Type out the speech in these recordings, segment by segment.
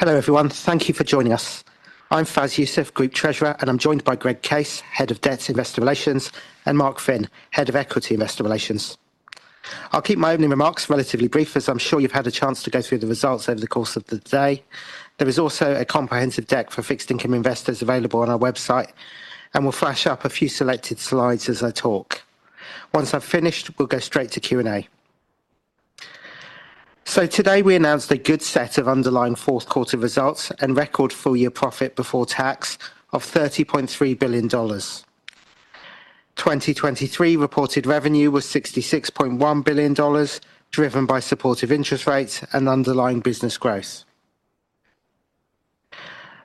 Hello everyone, thank you for joining us. I'm Faisal Yousaf, Group Treasurer, and I'm joined by Greg Case, Head of Fixed Income Investor Relations, and Mark Sherwin, Head of Equity Investor Relations. I'll keep my opening remarks relatively brief, as I'm sure you've had a chance to go through the results over the course of the day. There is also a comprehensive deck for fixed-income investors available on our website, and we'll flash up a few selected slides as I talk. Once I've finished, we'll go straight to Q&A. So today we announced a good set of underlying fourth-quarter results and record full-year profit before tax of $30.3 billion. 2023 reported revenue was $66.1 billion, driven by supportive interest rates and underlying business growth.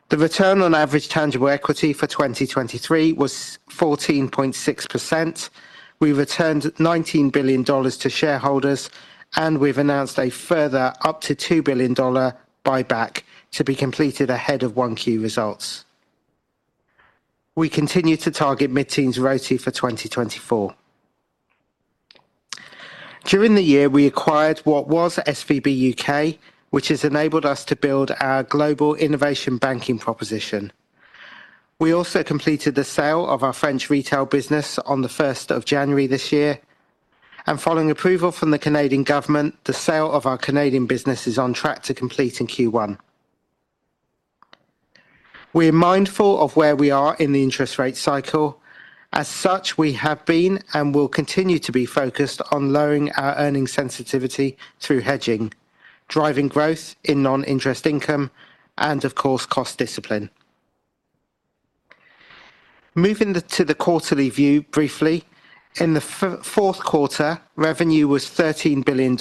The return on average tangible equity for 2023 was 14.6%. We returned $19 billion to shareholders, and we've announced a further up to $2 billion buyback to be completed ahead of Q1 results. We continue to target mid-teens RoTE for 2024. During the year, we acquired what was SVB UK, which has enabled us to build our global innovation banking proposition. We also completed the sale of our French retail business on the 1st of January this year. Following approval from the Canadian government, the sale of our Canadian business is on track to complete in Q1. We're mindful of where we are in the interest rate cycle. As such, we have been and will continue to be focused on lowering our earnings sensitivity through hedging, driving growth in non-interest income, and of course, cost discipline. Moving to the quarterly view briefly, in the fourth quarter, revenue was $13 billion.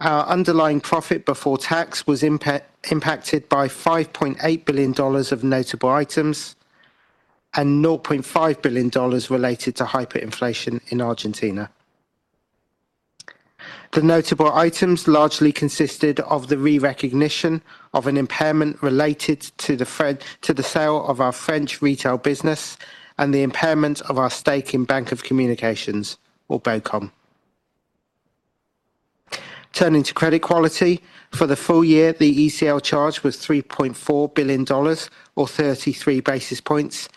Our underlying profit before tax was impacted by $5.8 billion of notable items and $0.5 billion related to hyperinflation in Argentina. The notable items largely consisted of the re-recognition of an impairment related to the sale of our French retail business and the impairment of our stake in Bank of Communications, or BoCom. Turning to credit quality, for the full year, the ECL charge was $3.4 billion, or 33 basis points.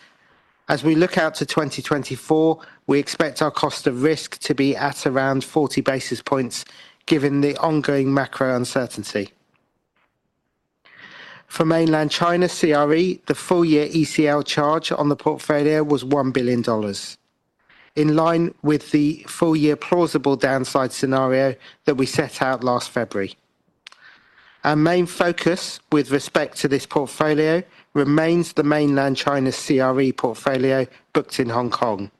As we look out to 2024, we expect our cost of risk to be at around 40 basis points, given the ongoing macro uncertainty. For mainland China CRE, the full-year ECL charge on the portfolio was $1 billion, in line with the full-year plausible downside scenario that we set out last February. Our main focus with respect to this portfolio remains the Mainland China CRE portfolio booked in Hong Kong,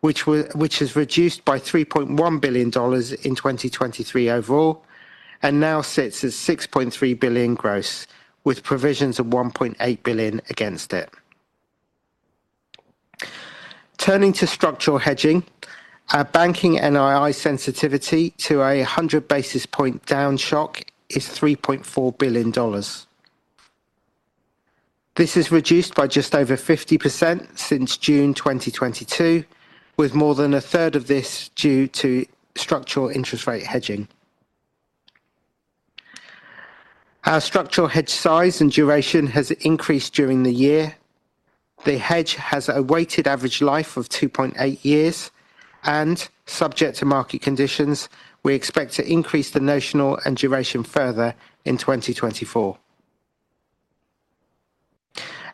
which has reduced by $3.1 billion in 2023 overall and now sits at $6.3 billion gross, with provisions of $1.8 billion against it. Turning to structural hedging, our Banking NII sensitivity to a 100 basis point downshock is $3.4 billion. This is reduced by just over 50% since June 2022, with more than a third of this due to structural interest rate hedging. Our structural hedge size and duration has increased during the year. The hedge has a weighted average life of 2.8 years, and subject to market conditions, we expect to increase the notional and duration further in 2024.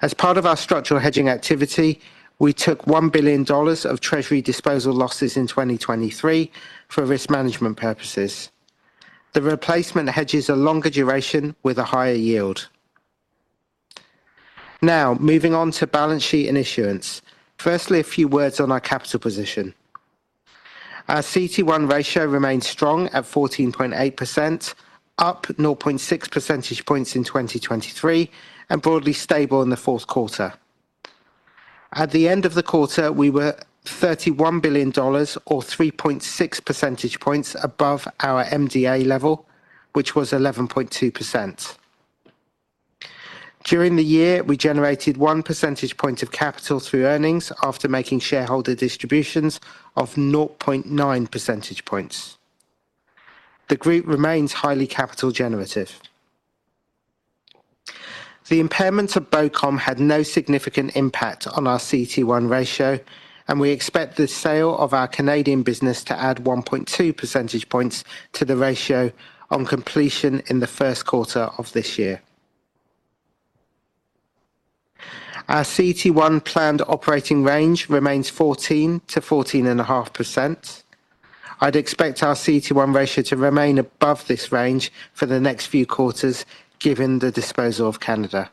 As part of our structural hedging activity, we took $1 billion of treasury disposal losses in 2023 for risk management purposes. The replacement hedges a longer duration with a higher yield. Now, moving on to balance sheet and issuance. Firstly, a few words on our capital position. Our CET1 ratio remains strong at 14.8%, up 0.6 percentage points in 2023, and broadly stable in the fourth quarter. At the end of the quarter, we were $31 billion, or 3.6 percentage points above our MDA level, which was 11.2%. During the year, we generated 1 percentage point of capital through earnings after making shareholder distributions of 0.9 percentage points. The group remains highly capital-generative. The impairment of BoCom had no significant impact on our CET1 ratio, and we expect the sale of our Canadian business to add 1.2 percentage points to the ratio on completion in the first quarter of this year. Our CET1 planned operating range remains 14%-14.5%. I'd expect our CET1 ratio to remain above this range for the next few quarters, given the disposal of Canada.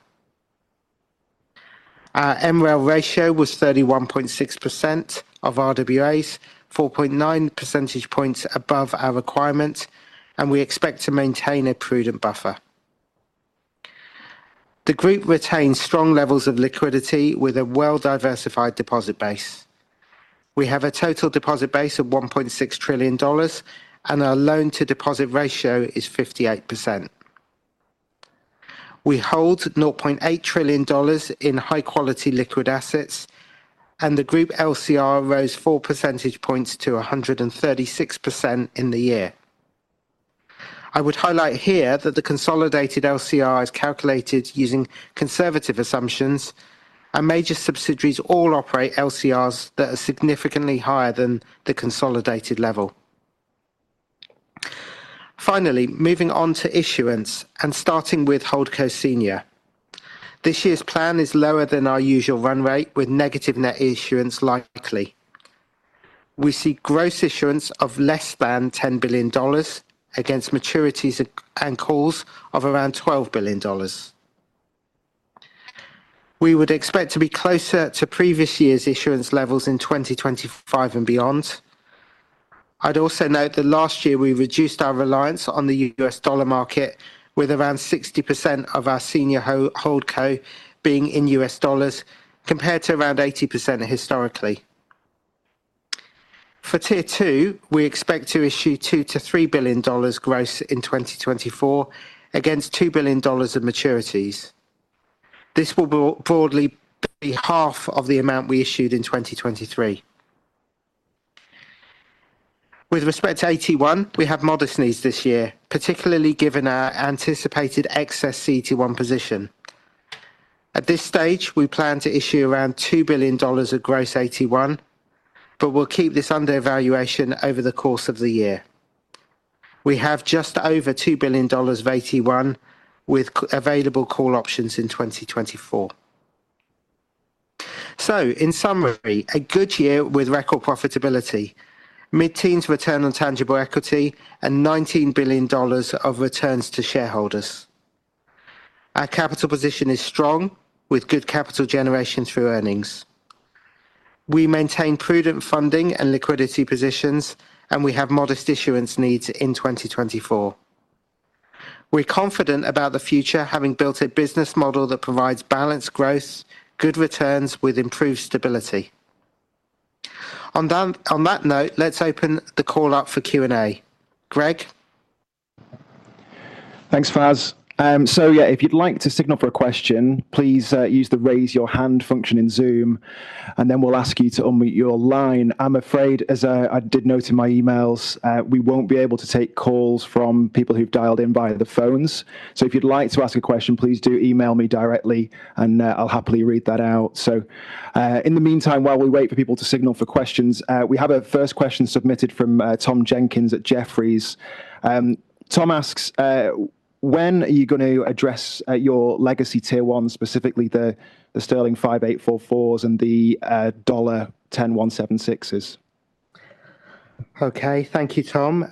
Our MREL ratio was 31.6% of RWAs, 4.9 percentage points above our requirement, and we expect to maintain a prudent buffer. The group retains strong levels of liquidity with a well-diversified deposit base. We have a total deposit base of $1.6 trillion, and our loan-to-deposit ratio is 58%. We hold $0.8 trillion in high-quality liquid assets, and the group LCR rose 4 percentage points to 136% in the year. I would highlight here that the consolidated LCR is calculated using conservative assumptions, and major subsidiaries all operate LCRs that are significantly higher than the consolidated level. Finally, moving on to issuance and starting with Holdco Senior, this year's plan is lower than our usual run rate, with negative net issuance likely. We see gross issuance of less than $10 billion against maturities and calls of around $12 billion. We would expect to be closer to previous year's issuance levels in 2025 and beyond. I'd also note that last year we reduced our reliance on the US dollar market, with around 60% of our senior Holdco being in US dollars, compared to around 80% historically. For Tier 2, we expect to issue $2billion-$3 billion gross in 2024 against $2 billion of maturities. This will broadly be half of the amount we issued in 2023. With respect to AT1, we have modest needs this year, particularly given our anticipated excess CET1 position. At this stage, we plan to issue around $2 billion of gross AT1, but we'll keep this under evaluation over the course of the year. We have just over $2 billion of AT1 with available call options in 2024. In summary, a good year with record profitability, mid-teens return on tangible equity, and $19 billion of returns to shareholders. Our capital position is strong, with good capital generation through earnings. We maintain prudent funding and liquidity positions, and we have modest issuance needs in 2024. We're confident about the future, having built a business model that provides balanced growth, good returns, with improved stability. On that note, let's open the call up for Q&A. Greg? Thanks, Faz. So yeah, if you'd like to sign up for a question, please use the raise your hand function in Zoom, and then we'll ask you to unmute your line. I'm afraid, as I did note in my emails, we won't be able to take calls from people who've dialed in via the phones. So if you'd like to ask a question, please do email me directly, and I'll happily read that out. So in the meantime, while we wait for people to signal for questions, we have a first question submitted from Tom Jenkins at Jefferies. Tom asks, when are you going to address your legacy Tier 1, specifically the Sterling 5.844s and the Dollar 10.176s? Okay, thank you, Tom.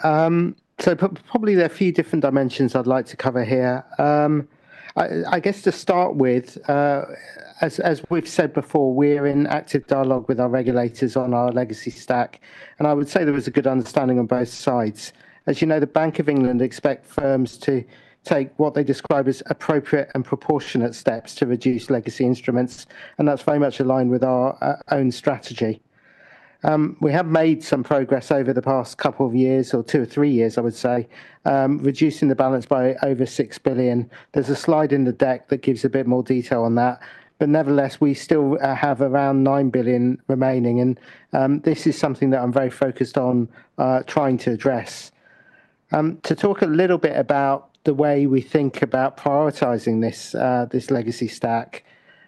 Probably there are a few different dimensions I'd like to cover here. I guess to start with, as we've said before, we're in active dialogue with our regulators on our legacy stack, and I would say there was a good understanding on both sides. As you know, the Bank of England expects firms to take what they describe as appropriate and proportionate steps to reduce legacy instruments, and that's very much aligned with our own strategy. We have made some progress over the past couple of years, or two or three years, I would say, reducing the balance by over $6 billion. There's a slide in the deck that gives a bit more detail on that. Nevertheless, we still have around $9 billion remaining, and this is something that I'm very focused on trying to address. To talk a little bit about the way we think about prioritizing this legacy stack,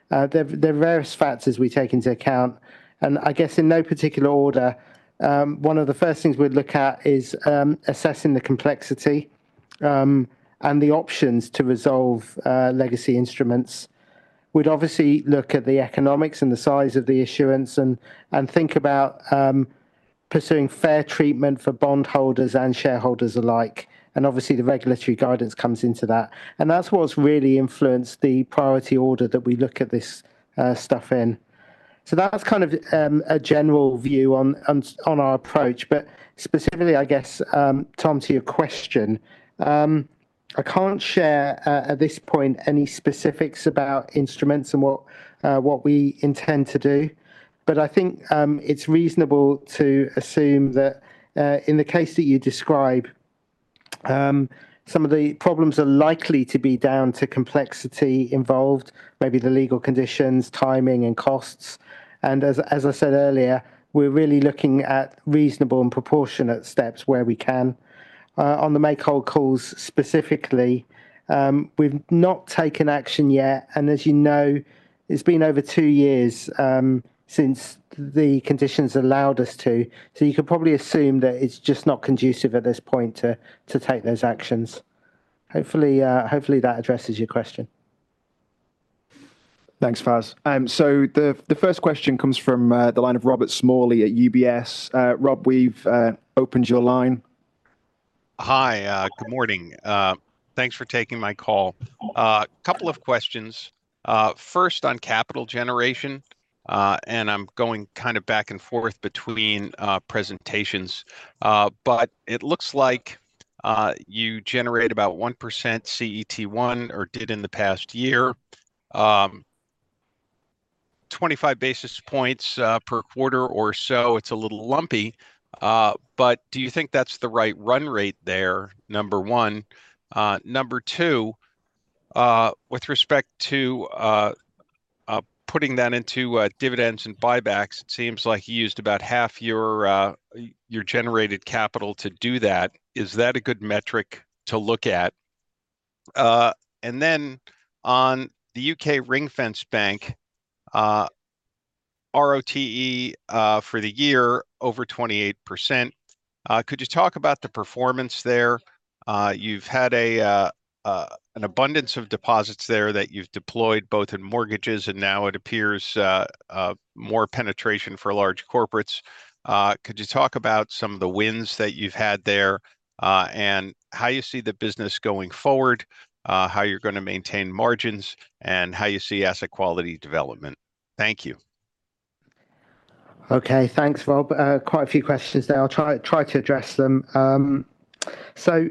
there are various factors we take into account. I guess in no particular order, one of the first things we'd look at is assessing the complexity and the options to resolve legacy instruments. We'd obviously look at the economics and the size of the issuance and think about pursuing fair treatment for bondholders and shareholders alike. Obviously, the regulatory guidance comes into that. That's what's really influenced the priority order that we look at this stuff in. That's kind of a general view on our approach. Specifically, I guess, Tom, to your question, I can't share at this point any specifics about instruments and what we intend to do. But I think it's reasonable to assume that in the case that you describe, some of the problems are likely to be down to complexity involved, maybe the legal conditions, timing, and costs. As I said earlier, we're really looking at reasonable and proportionate steps where we can. On the make-hold calls specifically, we've not taken action yet. As you know, it's been over two years since the conditions allowed us to. You could probably assume that it's just not conducive at this point to take those actions. Hopefully, that addresses your question. Thanks, Faz. So the first question comes from the line of Robert Smalley at UBS. Rob, we've opened your line. Hi, good morning. Thanks for taking my call. A couple of questions. First, on capital generation, and I'm going kind of back and forth between presentations. But it looks like you generate about 1% CET1 or did in the past year, 25 basis points per quarter or so. It's a little lumpy. But do you think that's the right run rate there, number one? Number two, with respect to putting that into dividends and buybacks, it seems like you used about half your generated capital to do that. Is that a good metric to look at? And then on the UK Ring-fenced Bank, RoTE for the year, over 28%. Could you talk about the performance there? You've had an abundance of deposits there that you've deployed both in mortgages, and now it appears more penetration for large corporates. Could you talk about some of the wins that you've had there and how you see the business going forward, how you're going to maintain margins, and how you see asset quality development? Thank you. Okay, thanks, Rob. Quite a few questions there. I'll try to address them. So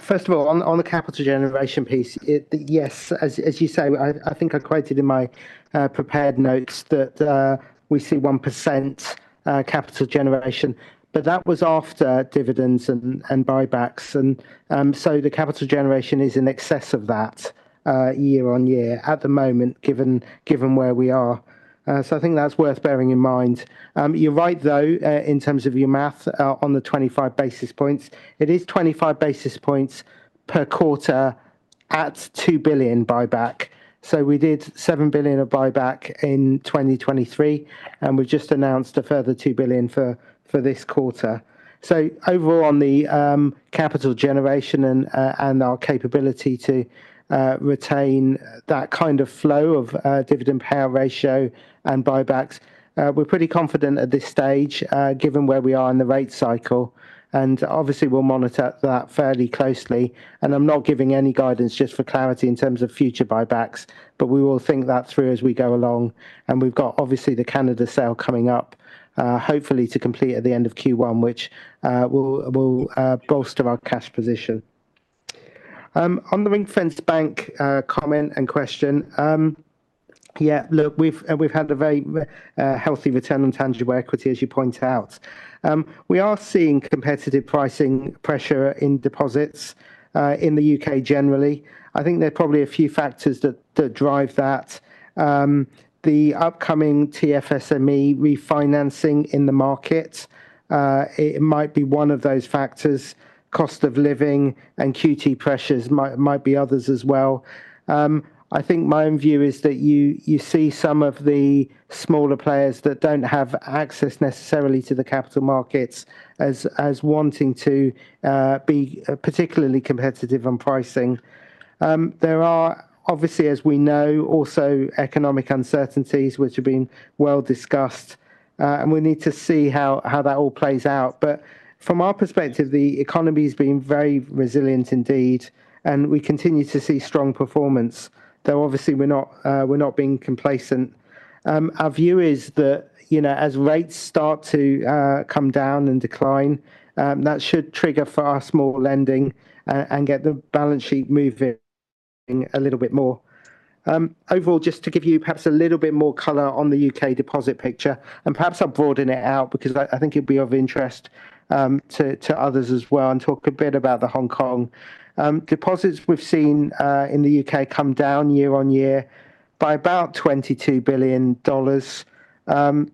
first of all, on the capital generation piece, yes, as you say, I think I quoted in my prepared notes that we see 1% capital generation. But that was after dividends and buybacks. And so the capital generation is in excess of that year-on-year at the moment, given where we are. So I think that's worth bearing in mind. You're right, though, in terms of your math on the 25 basis points. It is 25 basis points per quarter at $2 billion buyback. So we did $7 billion of buyback in 2023, and we've just announced a further $2 billion for this quarter. So overall, on the capital generation and our capability to retain that kind of flow of dividend payout ratio and buybacks, we're pretty confident at this stage, given where we are in the rate cycle. And obviously, we'll monitor that fairly closely. And I'm not giving any guidance just for clarity in terms of future buybacks, but we will think that through as we go along. And we've got, obviously, the Canada sale coming up, hopefully to complete at the end of Q1, which will bolster our cash position. On the Ring-fenced Bank comment and question, yeah, look, we've had a very healthy return on tangible equity, as you point out. We are seeing competitive pricing pressure in deposits in the UK generally. I think there are probably a few factors that drive that. The upcoming TFSME refinancing in the market, it might be one of those factors. Cost of living and QT pressures might be others as well. I think my own view is that you see some of the smaller players that don't have access necessarily to the capital markets as wanting to be particularly competitive on pricing. There are, obviously, as we know, also economic uncertainties, which have been well discussed. And we need to see how that all plays out. But from our perspective, the economy has been very resilient indeed, and we continue to see strong performance. Though obviously, we're not being complacent. Our view is that as rates start to come down and decline, that should trigger for us more lending and get the balance sheet moving a little bit more. Overall, just to give you perhaps a little bit more color on the UK deposit picture, and perhaps I'll broaden it out because I think it'll be of interest to others as well, and talk a bit about the Hong Kong deposits we've seen in the UK come down year-on-year by about $22 billion.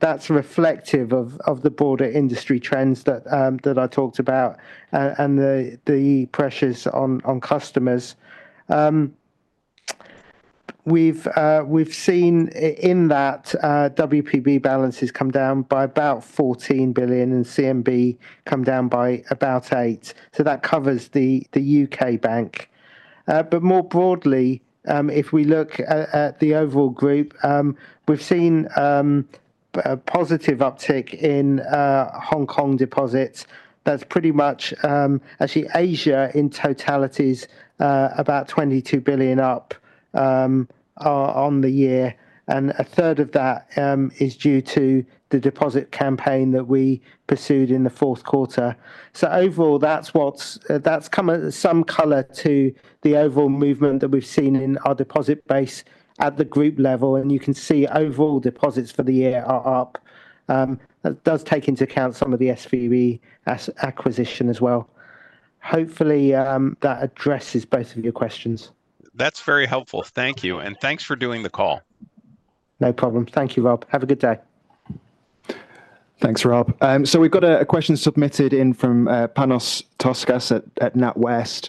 That's reflective of the broader industry trends that I talked about and the pressures on customers. We've seen in that WPB balances come down by about $14 billion and CMB come down by about $8 billion. So that covers the UK bank. But more broadly, if we look at the overall group, we've seen a positive uptick in Hong Kong deposits. That's pretty much actually Asia in totality, about $22 billion up on the year. And a third of that is due to the deposit campaign that we pursued in the fourth quarter. Overall, that's come some color to the overall movement that we've seen in our deposit base at the group level. You can see overall deposits for the year are up. That does take into account some of the SVB acquisition as well. Hopefully, that addresses both of your questions. That's very helpful. Thank you. Thanks for doing the call. No problem. Thank you, Rob. Have a good day. Thanks, Rob. So we've got a question submitted in from Panos Toscas at NatWest.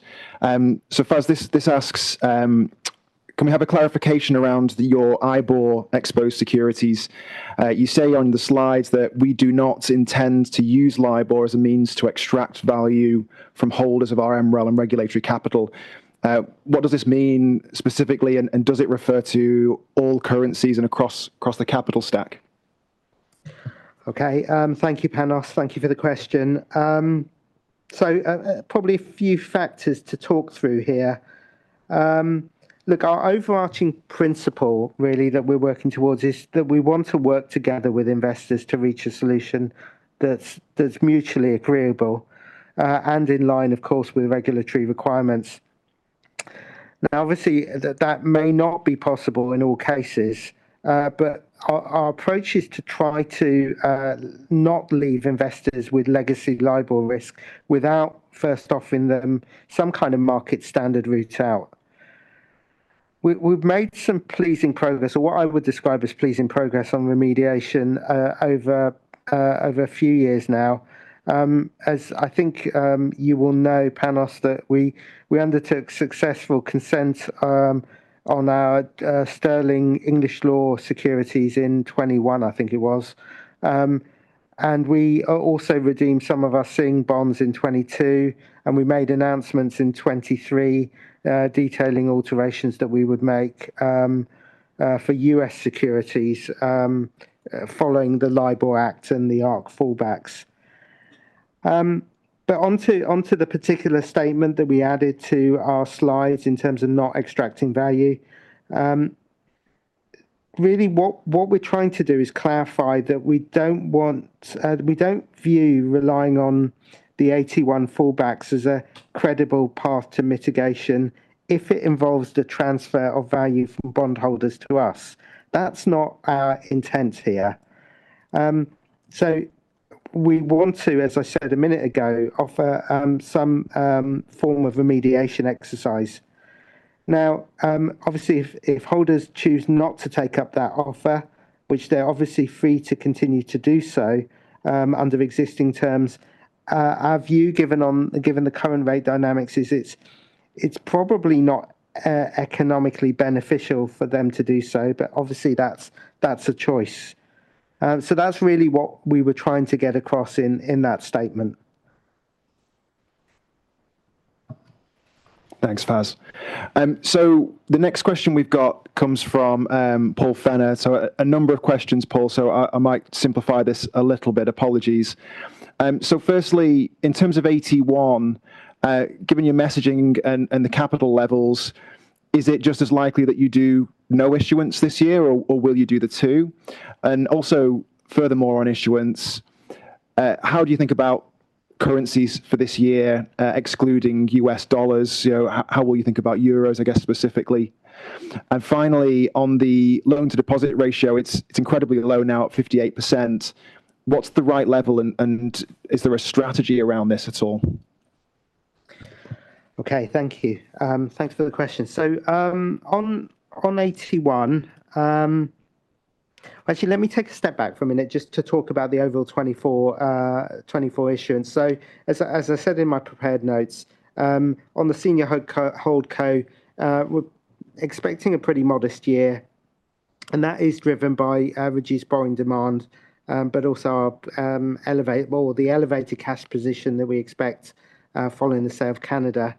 So Faz, this asks, can we have a clarification around your LIBOR exposed securities? You say on the slides that we do not intend to use LIBOR as a means to extract value from holders of our MREL and regulatory capital. What does this mean specifically, and does it refer to all currencies and across the capital stack? Okay, thank you, Panos. Thank you for the question. So probably a few factors to talk through here. Look, our overarching principle, really, that we're working towards is that we want to work together with investors to reach a solution that's mutually agreeable and in line, of course, with regulatory requirements. Now, obviously, that may not be possible in all cases. But our approach is to try to not leave investors with legacy LIBOR risk without first offering them some kind of market standard route out. We've made some pleasing progress, or what I would describe as pleasing progress on remediation over a few years now. As I think you will know, Panos, that we undertook successful consent on our Sterling English law securities in 2021, I think it was. And we also redeemed some of our SGD bonds in 2022. We made announcements in 2023 detailing alterations that we would make for US securities following the LIBOR Act and the ARRC fallbacks. Onto the particular statement that we added to our slides in terms of not extracting value, really, what we're trying to do is clarify that we don't view relying on the AT1 fallbacks as a credible path to mitigation if it involves the transfer of value from bondholders to us. That's not our intent here. We want to, as I said a minute ago, offer some form of remediation exercise. Now, obviously, if holders choose not to take up that offer, which they're obviously free to continue to do so under existing terms, our view, given the current rate dynamics, is it's probably not economically beneficial for them to do so. Obviously, that's a choice. That's really what we were trying to get across in that statement. Thanks, Faz. So the next question we've got comes from Paul Fenner. So a number of questions, Paul. So I might simplify this a little bit. Apologies. So firstly, in terms of AT1, given your messaging and the capital levels, is it just as likely that you do no issuance this year, or will you do the two? And also, furthermore on issuance, how do you think about currencies for this year, excluding US dollars? How will you think about euros, I guess, specifically? And finally, on the loan-to-deposit ratio, it's incredibly low now at 58%. What's the right level, and is there a strategy around this at all? Okay, thank you. Thanks for the question. So on AT1, actually, let me take a step back for a minute just to talk about the overall 2024 issuance. So as I said in my prepared notes, on the senior holdco, we're expecting a pretty modest year. And that is driven by reduced borrowing demand, but also the elevated cash position that we expect following the sale of Canada.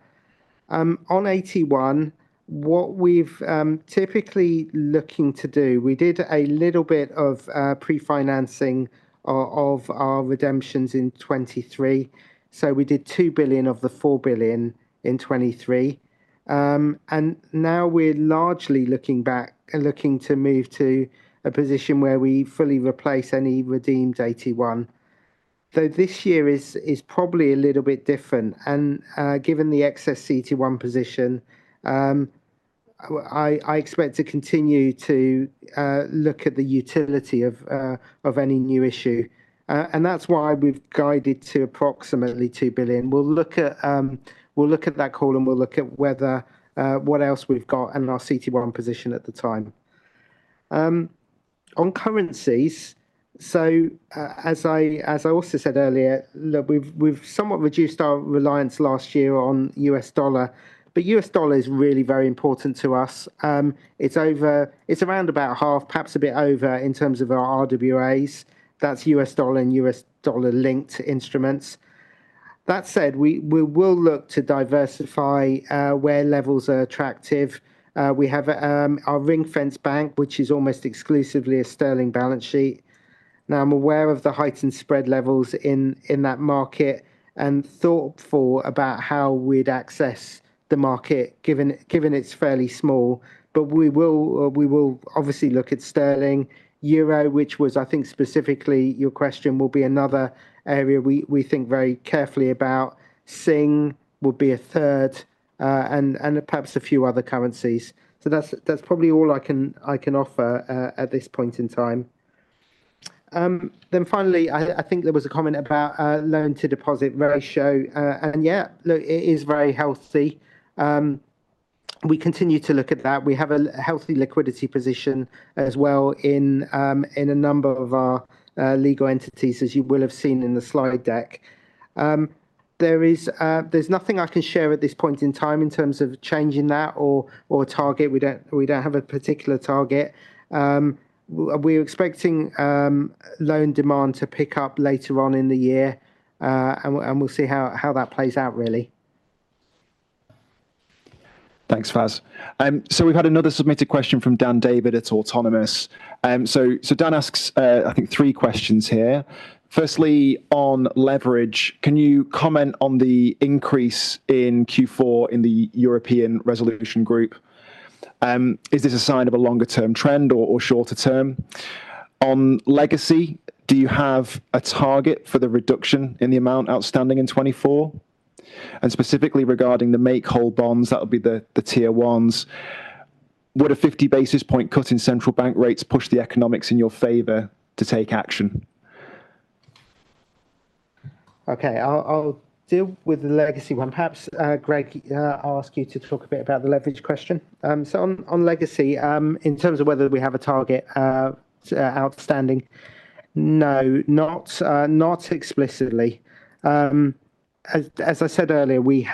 On AT1, what we've typically looking to do, we did a little bit of pre-financing of our redemptions in 2023. So we did $2 billion of the $4 billion in 2023. And now we're largely looking back and looking to move to a position where we fully replace any redeemed AT1. Though this year is probably a little bit different. And given the excess CET1 position, I expect to continue to look at the utility of any new issue. That's why we've guided to approximately $2 billion. We'll look at that call, and we'll look at what else we've got and our CET1 position at the time. On currencies, so as I also said earlier, look, we've somewhat reduced our reliance last year on US dollar. But US dollar is really very important to us. It's around about half, perhaps a bit over in terms of our RWAs. That's US dollar and US dollar-linked instruments. That said, we will look to diversify where levels are attractive. We have our Ring-fenced Bank, which is almost exclusively a sterling balance sheet. Now, I'm aware of the height and spread levels in that market and thoughtful about how we'd access the market, given it's fairly small. But we will obviously look at sterling, euro, which was, I think, specifically your question, will be another area we think very carefully about. SGD would be a third, and perhaps a few other currencies. So that's probably all I can offer at this point in time. Then finally, I think there was a comment about loan-to-deposit ratio. And yeah, look, it is very healthy. We continue to look at that. We have a healthy liquidity position as well in a number of our legal entities, as you will have seen in the slide deck. There's nothing I can share at this point in time in terms of changing that or a target. We don't have a particular target. We're expecting loan demand to pick up later on in the year. And we'll see how that plays out, really. Thanks, Faz. So we've had another submitted question from Dan David. It's Autonomous. So Dan asks, I think, three questions here. Firstly, on leverage, can you comment on the increase in Q4 in the European Resolution Group? Is this a sign of a longer-term trend or shorter-term? On legacy, do you have a target for the reduction in the amount outstanding in 2024? And specifically regarding the make-hold bonds, that would be the tier ones. Would a 50 basis point cut in central bank rates push the economics in your favor to take action? Okay, I'll deal with the legacy one. Perhaps Greg ask you to talk a bit about the leverage question. So on legacy, in terms of whether we have a target outstanding, no, not explicitly. As I said earlier, we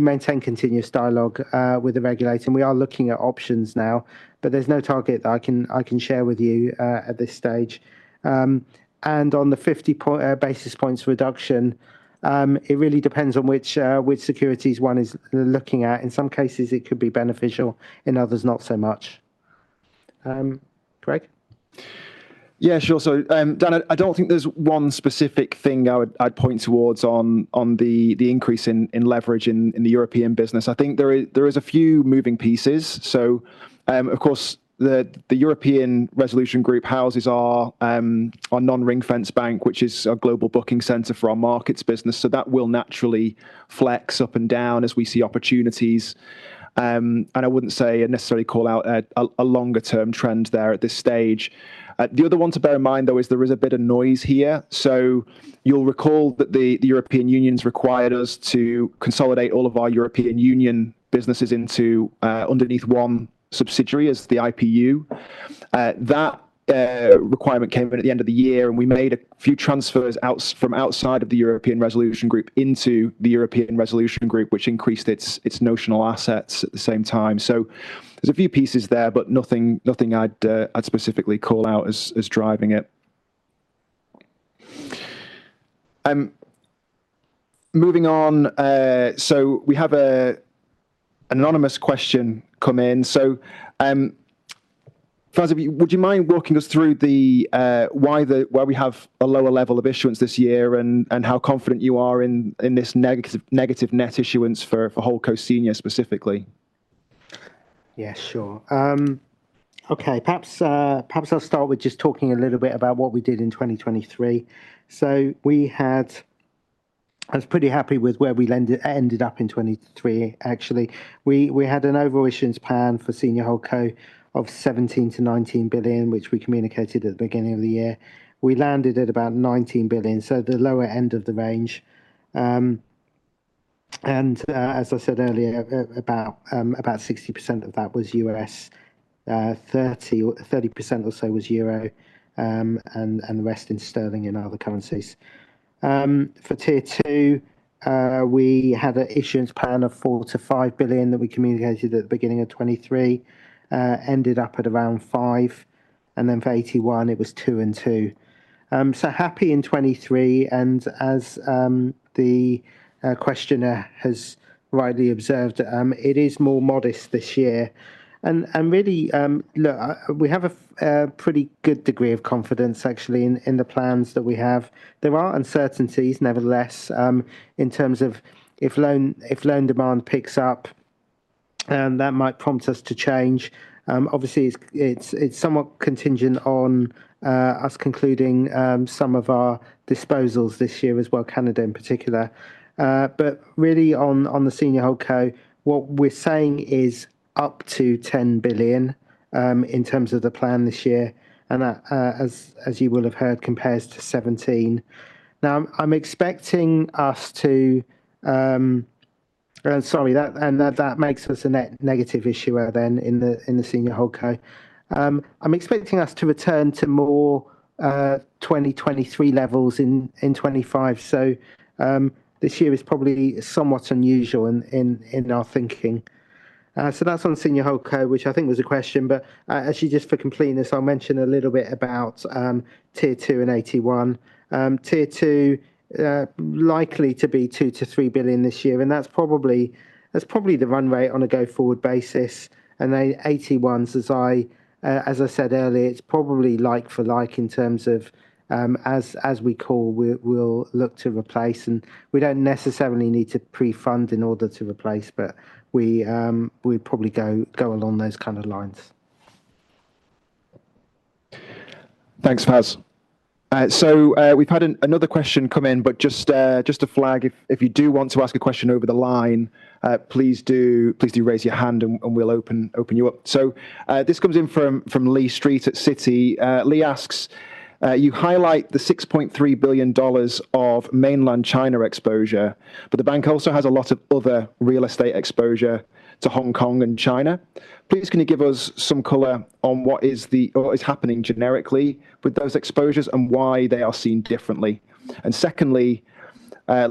maintain continuous dialogue with the regulator. And we are looking at options now. But there's no target that I can share with you at this stage. And on the 50 basis points reduction, it really depends on which securities one is looking at. In some cases, it could be beneficial. In others, not so much. Greg? Yeah, sure. So Dan, I don't think there's one specific thing I'd point towards on the increase in leverage in the European business. I think there are a few moving pieces. So of course, the European Resolution Group houses our non-Ring-fenced Bank, which is our global booking center for our markets business. So that will naturally flex up and down as we see opportunities. And I wouldn't say necessarily call out a longer-term trend there at this stage. The other one to bear in mind, though, is there is a bit of noise here. So you'll recall that the European Union's required us to consolidate all of our European Union businesses into underneath one subsidiary, as the IPU. That requirement came in at the end of the year. And we made a few transfers from outside of the European Resolution Group into the European Resolution Group, which increased its notional assets at the same time. So there's a few pieces there, but nothing I'd specifically call out as driving it. Moving on, so we have an anonymous question come in. So Faz, would you mind walking us through why we have a lower level of issuance this year and how confident you are in this negative net issuance for Holdco senior specifically? Yeah, sure. Okay, perhaps I'll start with just talking a little bit about what we did in 2023. I was pretty happy with where we ended up in 2023, actually. We had an over-issuance plan for senior Holdco of $17 billion-$19 billion, which we communicated at the beginning of the year. We landed at about $19 billion, so the lower end of the range. And as I said earlier, about 60% of that was US. 30% or so was euro, and the rest in sterling and other currencies. For Tier 2, we had an issuance plan of $4 billion-$5 billion that we communicated at the beginning of 2023, ended up at around $5 billion. And then for AT1, it was $2 billion. So happy in 2023. And as the questioner has rightly observed, it is more modest this year. Really, look, we have a pretty good degree of confidence, actually, in the plans that we have. There are uncertainties, nevertheless, in terms of if loan demand picks up, that might prompt us to change. Obviously, it's somewhat contingent on us concluding some of our disposals this year as well, Canada in particular. But really, on the senior Holdco, what we're saying is up to $10 billion in terms of the plan this year. And as you will have heard, compares to $17 billion. Now, I'm expecting us to, and that makes us a net negative issuer then in the senior Holdco. I'm expecting us to return to more 2023 levels in 2025. So this year is probably somewhat unusual in our thinking. So that's on senior Holdco, which I think was a question. But actually, just for completeness, I'll mention a little bit about Tier 2 and AT1. Tier 2, likely to be $2billion-$3 billion this year. And that's probably the run rate on a go-forward basis. And then AT1s, as I said earlier, it's probably like for like in terms of as we call, we'll look to replace. And we don't necessarily need to pre-fund in order to replace. But we'd probably go along those kind of lines. Thanks, Faz. So we've had another question come in. But just to flag, if you do want to ask a question over the line, please do raise your hand, and we'll open you up. So this comes in from Lee Street at Citi. Lee asks, you highlight the $6.3 billion of mainland China exposure. But the bank also has a lot of other real estate exposure to Hong Kong and China. Please, can you give us some color on what is happening generically with those exposures and why they are seen differently? And secondly,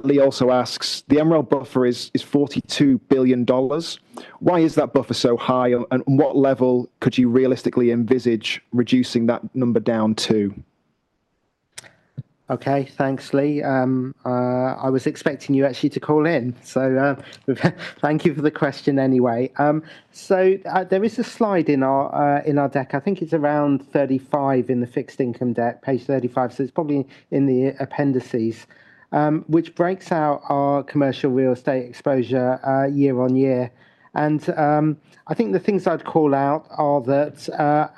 Lee also asks, the MREL buffer is $42 billion. Why is that buffer so high? And what level could you realistically envisage reducing that number down to? Okay, thanks, Lee. I was expecting you actually to call in. So thank you for the question anyway. So there is a slide in our deck. I think it's around 35 in the fixed income deck, page 35. So it's probably in the appendices, which breaks out our commercial real estate exposure year-on-year. And I think the things I'd call out are that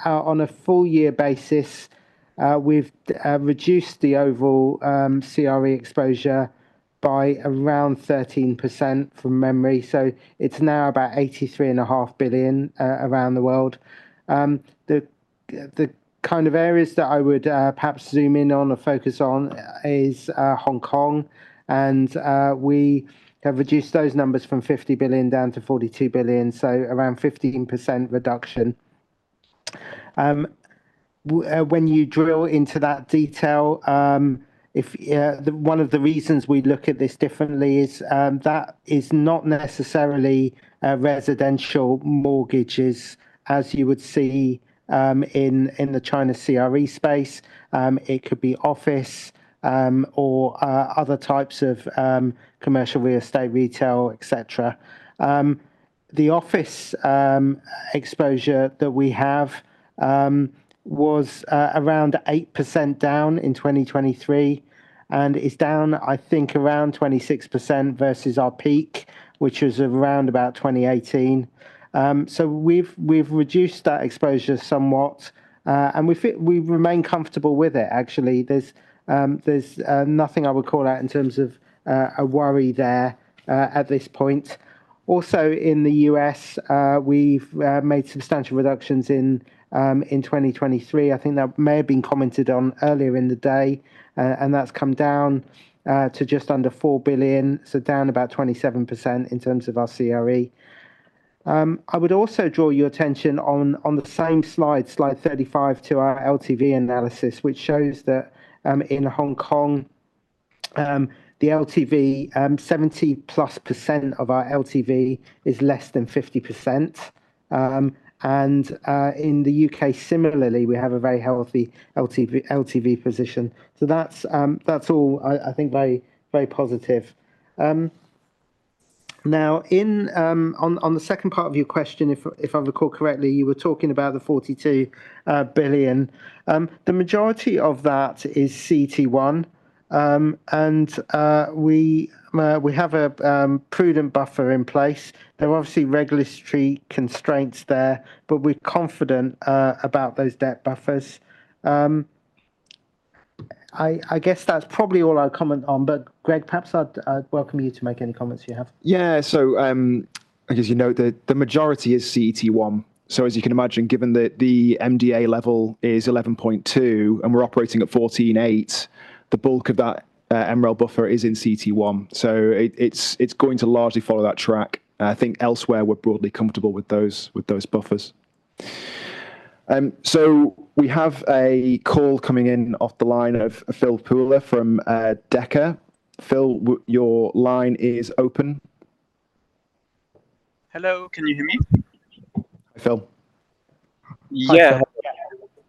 on a full-year basis, we've reduced the overall CRE exposure by around 13% from memory. So it's now about $83.5 billion around the world. The kind of areas that I would perhaps zoom in on or focus on is Hong Kong. And we have reduced those numbers from $50 billion down to $42 billion, so around 15% reduction. When you drill into that detail, one of the reasons we look at this differently is that is not necessarily residential mortgages, as you would see in the China CRE space. It could be office or other types of commercial real estate, retail, et cetera. The office exposure that we have was around 8% down in 2023 and is down, I think, around 26% versus our peak, which was around about 2018. So we've reduced that exposure somewhat. And we remain comfortable with it, actually. There's nothing I would call out in terms of a worry there at this point. Also, in the US, we've made substantial reductions in 2023. I think that may have been commented on earlier in the day. And that's come down to just under $4 billion, so down about 27% in terms of our CRE. I would also draw your attention on the same slide, slide 35, to our LTV analysis, which shows that in Hong Kong, the LTV, 70%+ of our LTV is less than 50%. In the UK, similarly, we have a very healthy LTV position. So that's all, I think, very positive. Now, on the second part of your question, if I recall correctly, you were talking about the $42 billion. The majority of that is CET1. And we have a prudent buffer in place. There are obviously regulatory constraints there. But we're confident about those debt buffers. I guess that's probably all I'll comment on. But Greg, perhaps I'd welcome you to make any comments you have. Yeah, so I guess you note that the majority is CET1. So as you can imagine, given that the MDA level is 11.2% and we're operating at 14.8%, the bulk of that MREL Buffer is in CET1. So it's going to largely follow that track. I think elsewhere, we're broadly comfortable with those buffers. So we have a call coming in off the line of Phil Pooler from Deka. Phil, your line is open. Hello, can you hear me? Hi, Phil. Yeah.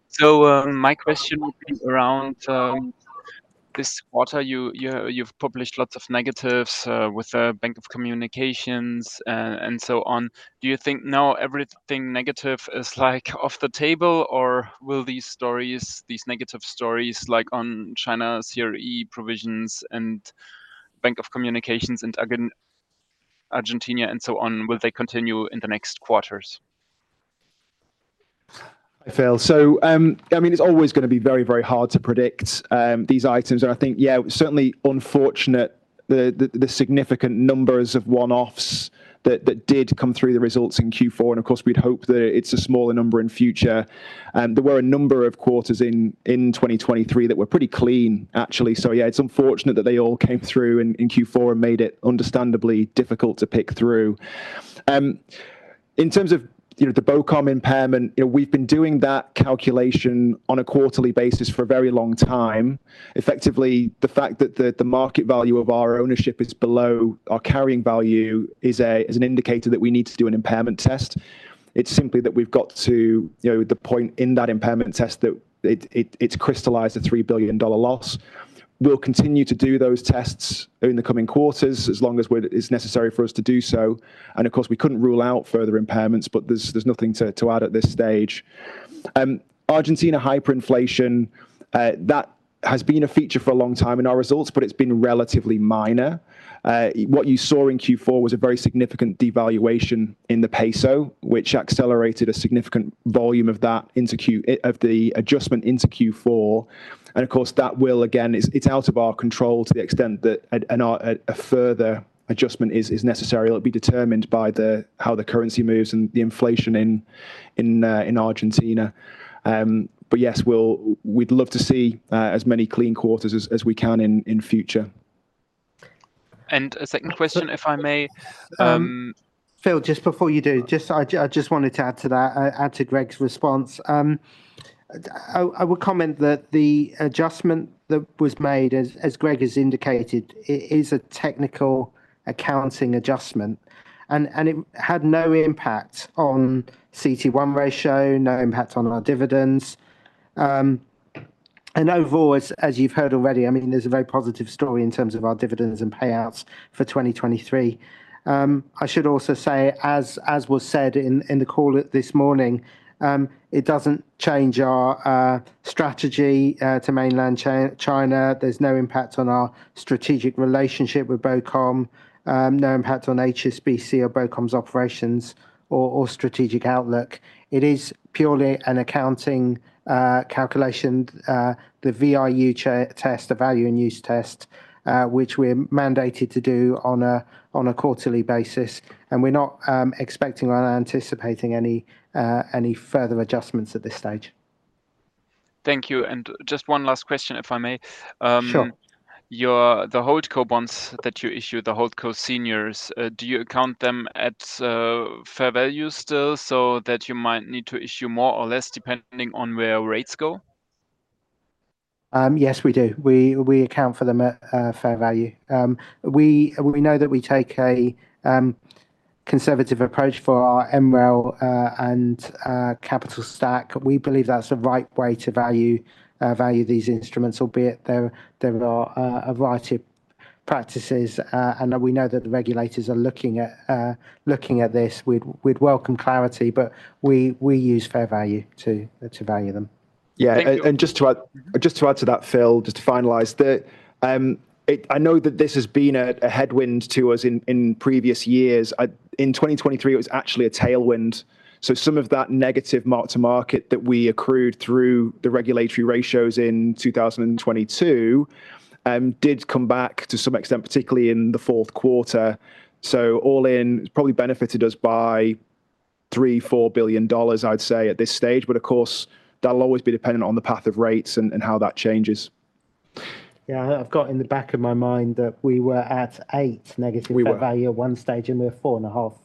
So my question would be around this quarter. You've published lots of negatives with the Bank of Communications and so on. Do you think now everything negative is off the table? Or will these stories, these negative stories on China's CRE provisions and Bank of Communications in Argentina and so on, will they continue in the next quarters? Hi, Phil. So I mean, it's always going to be very, very hard to predict these items. And I think, yeah, certainly unfortunate, the significant numbers of one-offs that did come through the results in Q4. And of course, we'd hope that it's a smaller number in future. There were a number of quarters in 2023 that were pretty clean, actually. So yeah, it's unfortunate that they all came through in Q4 and made it understandably difficult to pick through. In terms of the BOCOM impairment, we've been doing that calculation on a quarterly basis for a very long time. Effectively, the fact that the market value of our ownership is below our carrying value is an indicator that we need to do an impairment test. It's simply that we've got to the point in that impairment test that it's crystallized a $3 billion loss. We'll continue to do those tests in the coming quarters as long as it's necessary for us to do so. And of course, we couldn't rule out further impairments. But there's nothing to add at this stage. Argentina hyperinflation, that has been a feature for a long time in our results. But it's been relatively minor. What you saw in Q4 was a very significant devaluation in the peso, which accelerated a significant volume of that adjustment into Q4. And of course, that will, again, it's out of our control to the extent that a further adjustment is necessary. It'll be determined by how the currency moves and the inflation in Argentina. But yes, we'd love to see as many clean quarters as we can in future. A second question, if I may. Phil, just before you do, I just wanted to add to that, add to Greg's response. I would comment that the adjustment that was made, as Greg has indicated, is a technical accounting adjustment. It had no impact on CT1 Ratio, no impact on our dividends. Overall, as you've heard already, I mean, there's a very positive story in terms of our dividends and payouts for 2023. I should also say, as was said in the call this morning, it doesn't change our strategy to Mainland China. There's no impact on our strategic relationship with BOCOM, no impact on HSBC or BOCOM's operations or strategic outlook. It is purely an accounting calculation, the VIU test, a value in use test, which we're mandated to do on a quarterly basis. We're not expecting or anticipating any further adjustments at this stage. Thank you. Just one last question, if I may. Sure. The Holdco coupons that you issue, the Holdco seniors, do you account them at fair value still so that you might need to issue more or less depending on where rates go? Yes, we do. We account for them at fair value. We know that we take a conservative approach for our MREL and capital stack. We believe that's the right way to value these instruments, albeit there are a variety of practices. And we know that the regulators are looking at this. We'd welcome clarity. But we use fair value to value them. Yeah. And just to add to that, Phil, just to finalize, I know that this has been a headwind to us in previous years. In 2023, it was actually a tailwind. So some of that negative mark-to-market that we accrued through the regulatory ratios in 2022 did come back to some extent, particularly in the fourth quarter. So all in, it's probably benefited us by $3billion-$4 billion, I'd say, at this stage. But of course, that'll always be dependent on the path of rates and how that changes. Yeah, I've got in the back of my mind that we were at -8 fair value at one stage. We were 4.5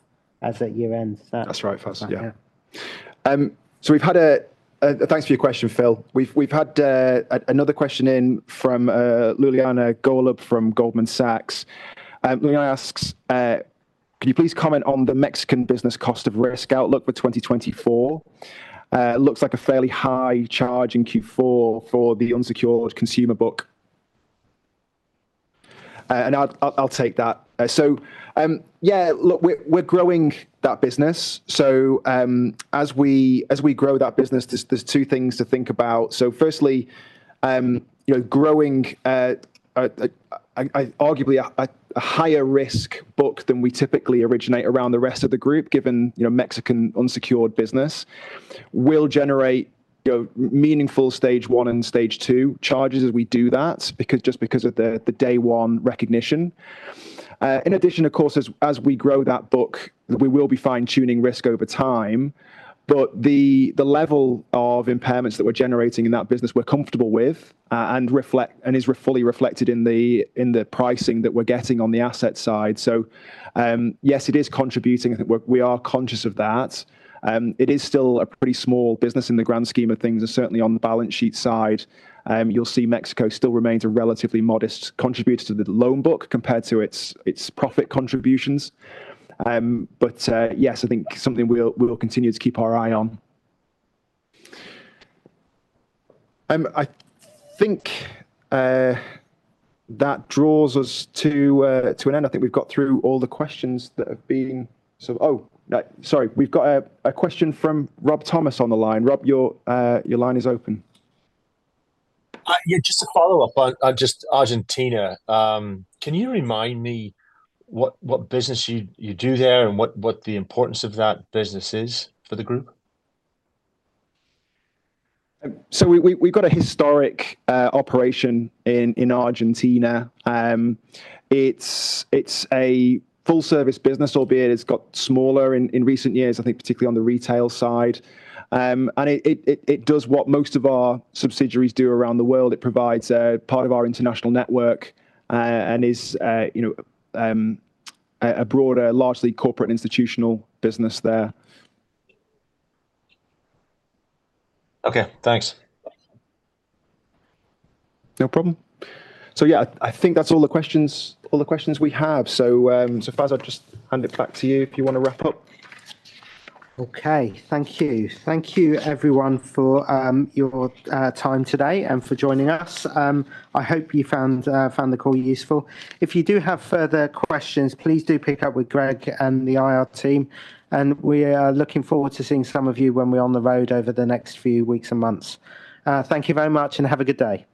as that year ends. That's right, Faz. Yeah. So we've had—thanks for your question, Phil. We've had another question in from Luliana Golub from Goldman Sachs. Luliana asks, can you please comment on the Mexican business cost of risk outlook for 2024? It looks like a fairly high charge in Q4 for the unsecured consumer book. And I'll take that. So yeah, look, we're growing that business. So as we grow that business, there's two things to think about. So firstly, growing, arguably, a higher risk book than we typically originate around the rest of the group, given Mexican unsecured business, will generate meaningful stage one and stage two charges as we do that, just because of the day one recognition. In addition, of course, as we grow that book, we will be fine-tuning risk over time. But the level of impairments that we're generating in that business, we're comfortable with and is fully reflected in the pricing that we're getting on the asset side. So yes, it is contributing. I think we are conscious of that. It is still a pretty small business in the grand scheme of things. And certainly, on the balance sheet side, you'll see Mexico still remains a relatively modest contributor to the loan book compared to its profit contributions. But yes, I think something we'll continue to keep our eye on. I think that draws us to an end. I think we've got through all the questions that have been sort of oh, sorry. We've got a question from Rob Thomas on the line. Rob, your line is open. Yeah, just a follow-up on just Argentina. Can you remind me what business you do there and what the importance of that business is for the group? We've got a historic operation in Argentina. It's a full-service business, albeit it's got smaller in recent years, I think, particularly on the retail side. It does what most of our subsidiaries do around the world. It provides part of our international network and is a broader, largely corporate and institutional business there. Okayk, thanks. No problem. So yeah, I think that's all the questions we have. So Faz, I'll just hand it back to you if you want to wrap up. OK, thank you. Thank you, everyone, for your time today and for joining us. I hope you found the call useful. If you do have further questions, please do pick up with Greg and the IR team. And we are looking forward to seeing some of you when we're on the road over the next few weeks and months. Thank you very much. Have a good day.